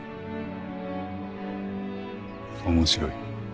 面白い。